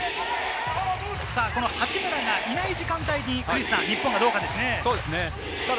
八村がいない時間帯に日本がどうかですね。